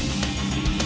terima kasih chandra